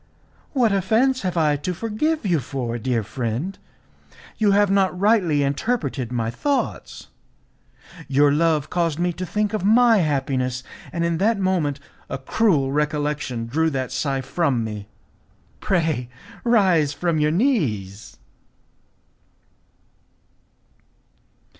"What offence have I to forgive you for, dear friend? You have not rightly interpreted my thoughts. Your love caused me to think of my happiness, and in that moment a cruel recollection drew that sigh from me. Pray rise from your knees."